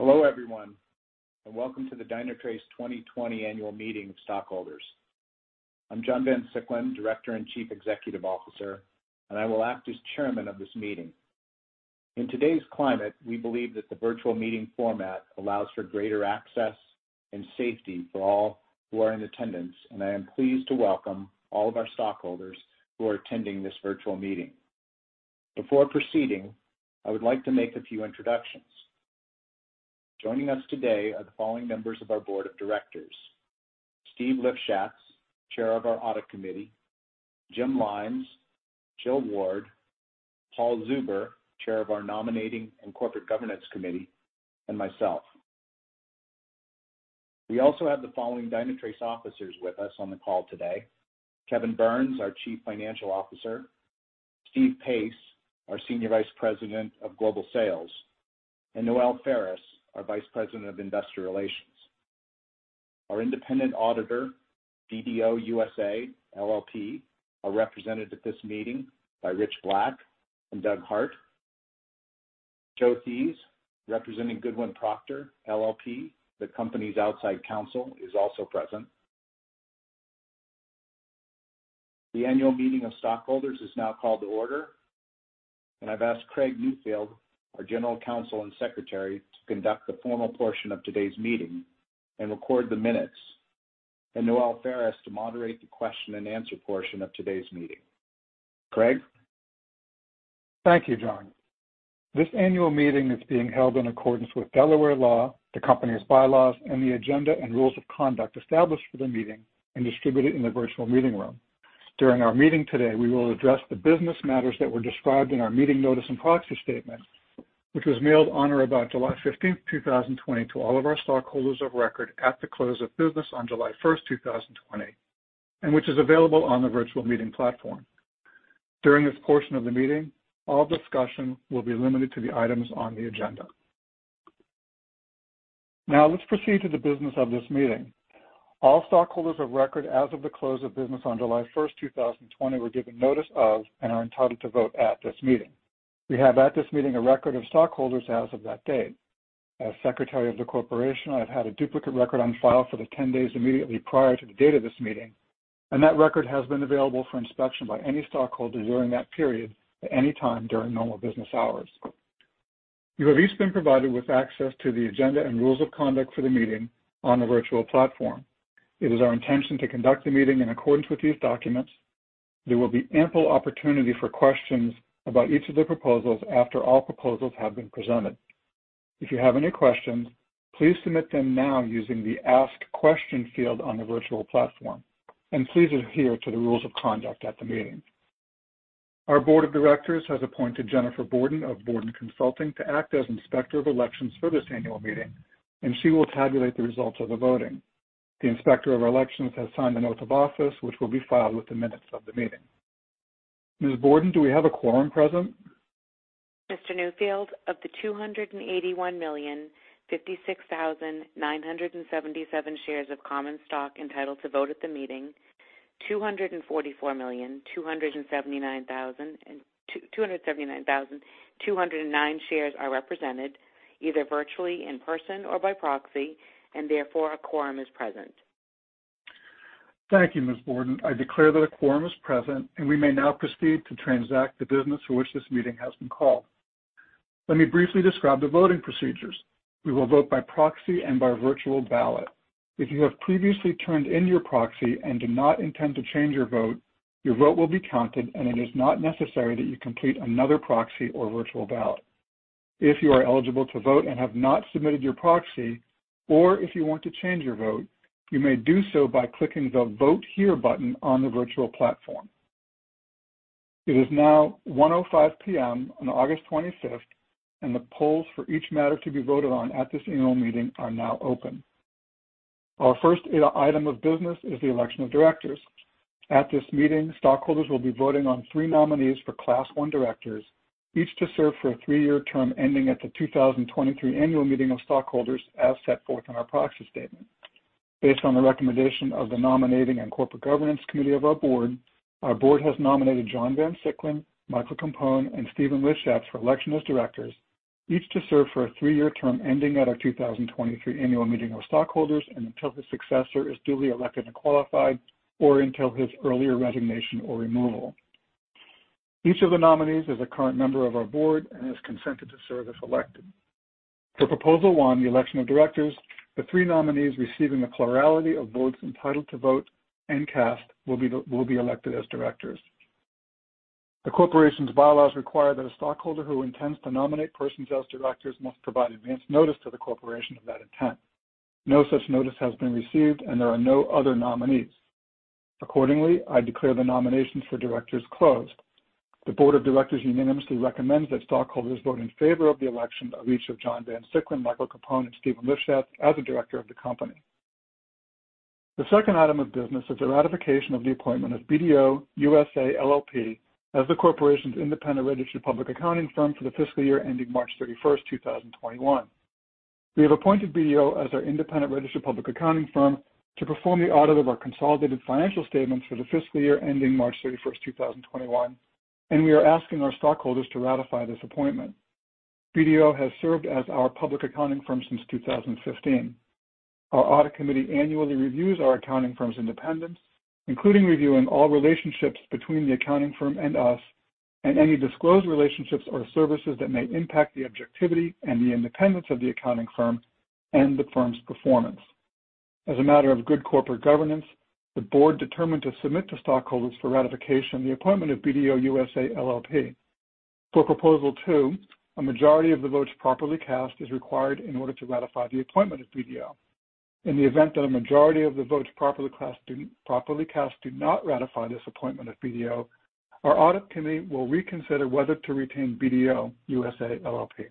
Hello, everyone, and welcome to the Dynatrace 2020 Annual Meeting of Stockholders. I'm John Van Siclen, Director and Chief Executive Officer, and I will act as Chairman of this meeting. In today's climate, we believe that the virtual meeting format allows for greater access and safety for all who are in attendance, and I am pleased to welcome all of our stockholders who are attending this virtual meeting. Before proceeding, I would like to make a few introductions. Joining us today are the following members of our Board of Directors: Steve Lifshatz, Chair of our Audit Committee, Jim Lines, Jill Ward, Paul Zuber, Chair of our Nominating and Corporate Governance Committee, and myself. We also have the following Dynatrace officers with us on the call today: Kevin Burns, our Chief Financial Officer, Steve Pace, our Senior Vice President of Global Sales, and Noelle Faris, our Vice President of Investor Relations. Our independent auditor, BDO USA LLP, are represented at this meeting by Rich Black and Doug Hart. Joe Theis, representing Goodwin Procter LLP, the company's outside counsel, is also present. The Annual Meeting of Stockholders is now called to order, and I've asked Craig Newfield, our General Counsel and Secretary, to conduct the formal portion of today's meeting and record the minutes, and Noelle Faris to moderate the question-and-answer portion of today's meeting. Craig? Thank you, John. This annual meeting is being held in accordance with Delaware law, the company's bylaws, and the agenda and rules of conduct established for the meeting and distributed in the virtual meeting room. During our meeting today, we will address the business matters that were described in our Meeting Notice and Proxy Statement, which was mailed on or about July 15th, 2020, to all of our stockholders of record at the close of business on July 1st, 2020, and which is available on the virtual meeting platform. During this portion of the meeting, all discussion will be limited to the items on the agenda. Now, let's proceed to the business of this meeting. All stockholders of record as of the close of business on July 1st, 2020, were given notice of and are entitled to vote at this meeting. We have at this meeting a record of stockholders as of that date. As Secretary of the Corporation, I've had a duplicate record on file for the 10 days immediately prior to the date of this meeting, and that record has been available for inspection by any stockholder during that period at any time during normal business hours. You have each been provided with access to the agenda and rules of conduct for the meeting on the virtual platform. It is our intention to conduct the meeting in accordance with these documents. There will be ample opportunity for questions about each of the proposals after all proposals have been presented. If you have any questions, please submit them now using the Ask Question field on the virtual platform, and please adhere to the rules of conduct at the meeting. Our Board of Directors has appointed Jennifer Borden of Borden Consulting to act as Inspector of Elections for this annual meeting, and she will tabulate the results of the voting. The Inspector of Elections has signed an oath of office, which will be filed with the minutes of the meeting. Ms. Borden, do we have a quorum present? Mr. Newfield, of the 281,056,977 shares of common stock entitled to vote at the meeting, 244,279,209 shares are represented, either virtually, in person, or by proxy, and therefore, a quorum is present. Thank you, Ms. Borden. I declare that a quorum is present, and we may now proceed to transact the business for which this meeting has been called. Let me briefly describe the voting procedures. We will vote by proxy and by virtual ballot. If you have previously turned in your proxy and do not intend to change your vote, your vote will be counted, and it is not necessary that you complete another proxy or virtual ballot. If you are eligible to vote and have not submitted your proxy, or if you want to change your vote, you may do so by clicking the Vote Here button on the virtual platform. It is now 1:05 P.M. on August 25th, and the polls for each matter to be voted on at this annual meeting are now open. Our first item of business is the election of directors. At this meeting, stockholders will be voting on three nominees for Class I directors, each to serve for a three-year term ending at the 2023 Annual Meeting of Stockholders, as set forth in our Proxy Statement. Based on the recommendation of the Nominating and Corporate Governance Committee of our Board, our Board has nominated John Van Siclen, Michael Capone, and Stephen Lifshatz for election as directors, each to serve for a three-year term ending at our 2023 Annual Meeting of Stockholders and until his successor is duly elected and qualified, or until his earlier resignation or removal. Each of the nominees is a current member of our Board and has consented to serve if elected. For Proposal 1, the election of directors, the three nominees receiving a plurality of votes entitled to vote and cast will be elected as directors. The corporation's bylaws require that a stockholder who intends to nominate persons as directors must provide advanced notice to the corporation of that intent. No such notice has been received, and there are no other nominees. Accordingly, I declare the nominations for directors closed. The Board of Directors unanimously recommends that stockholders vote in favor of the election of each of John Van Siclen, Michael Capone, and Stephen Lifshatz as a director of the company. The second item of business is the ratification of the appointment of BDO USA, LLP as the corporation's independent registered public accounting firm for the fiscal year ending March 31st, 2021. We have appointed BDO as our independent registered public accounting firm to perform the audit of our consolidated financial statements for the fiscal year ending March 31st, 2021. We are asking our stockholders to ratify this appointment. BDO has served as our public accounting firm since 2015. Our Audit Committee annually reviews our accounting firm's independence, including reviewing all relationships between the accounting firm and us and any disclosed relationships or services that may impact the objectivity and the independence of the accounting firm and the firm's performance. As a matter of good corporate governance, the Board determined to submit to stockholders for ratification the appointment of BDO USA, LLP. For Proposal 2, a majority of the votes properly cast is required in order to ratify the appointment of BDO. In the event that a majority of the votes properly cast do not ratify this appointment of BDO, our Audit Committee will reconsider whether to retain BDO USA, LLP.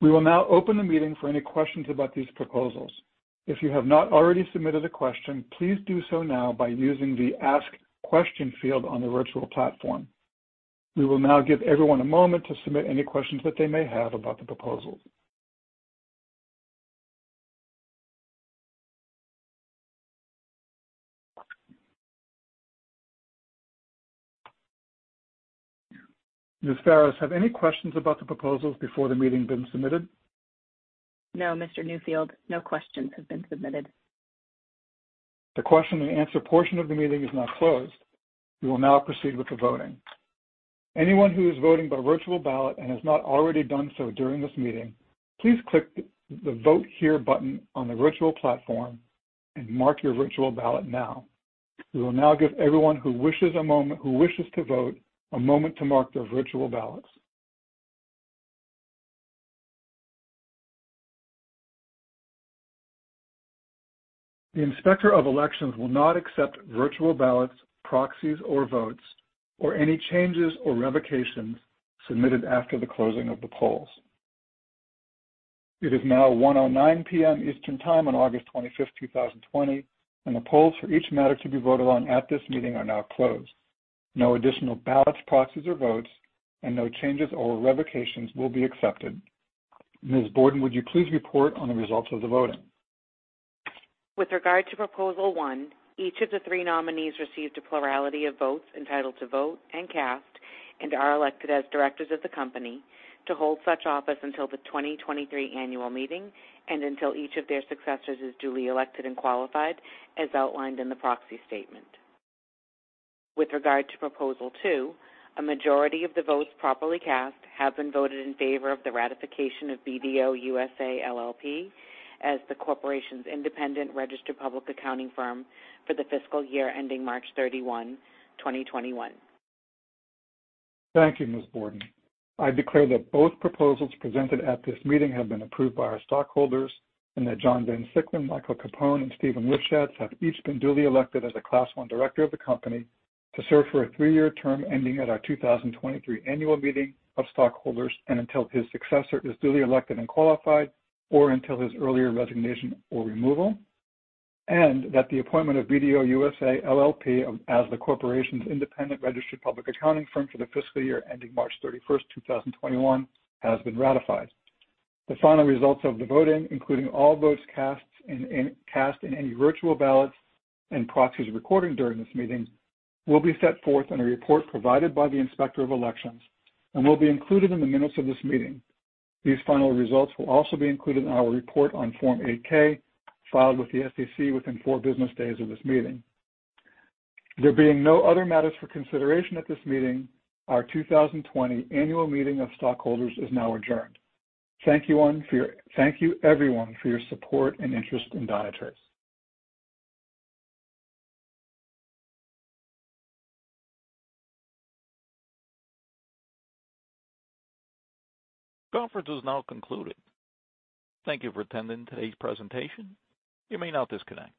We will now open the meeting for any questions about these proposals. If you have not already submitted a question, please do so now by using the Ask Question field on the virtual platform. We will now give everyone a moment to submit any questions that they may have about the proposals. Ms. Faris, have any questions about the proposals before the meeting been submitted? No, Mr. Newfield. No questions have been submitted. The question-and-answer portion of the meeting is now closed. We will now proceed with the voting. Anyone who is voting by virtual ballot and has not already done so during this meeting, please click the Vote Here button on the virtual platform and mark your virtual ballot now. We will now give everyone who wishes to vote a moment to mark their virtual ballots. The Inspector of Elections will not accept virtual ballots, proxies, or votes, or any changes or revocations submitted after the closing of the polls. It is now 1:09 P.M. Eastern Time on August 25th, 2020. The polls for each matter to be voted on at this meeting are now closed. No additional ballots, proxies, or votes, and no changes or revocations will be accepted. Ms. Borden, would you please report on the results of the voting? With regard to Proposal 1, each of the three nominees received a plurality of votes entitled to vote and cast and are elected as directors of the company to hold such office until the 2023 Annual Meeting and until each of their successors is duly elected and qualified as outlined in the Proxy Statement. With regard to Proposal 2, a majority of the votes properly cast have been voted in favor of the ratification of BDO USA, LLP as the corporation's independent registered public accounting firm for the fiscal year ending March 31st, 2021. Thank you, Ms. Borden. I declare that both proposals presented at this meeting have been approved by our stockholders and that John Van Siclen, Michael Capone, and Stephen Lifshatz have each been duly elected as a Class I Director of the company to serve for a three-year term ending at our 2023 Annual Meeting of Stockholders and until his successor is duly elected and qualified, or until his earlier resignation or removal. That the appointment of BDO USA, LLP as the corporation's independent registered public accounting firm for the fiscal year ending March 31st, 2021, has been ratified. The final results of the voting, including all votes cast and any virtual ballots and proxies recorded during this meeting, will be set forth in a report provided by the Inspector of Elections and will be included in the minutes of this meeting. These final results will also be included in our report on Form 8-K filed with the SEC within four business days of this meeting. There being no other matters for consideration at this meeting, our 2020 Annual Meeting of Stockholders is now adjourned. Thank you, everyone, for your support and interest in Dynatrace. The conference has now concluded. Thank you for attending today's presentation. You may now disconnect.